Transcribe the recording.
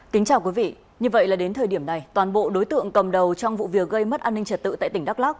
kính chào quý vị như vậy là đến thời điểm này toàn bộ đối tượng cầm đầu trong vụ việc gây mất an ninh trật tự tại tỉnh đắk lắc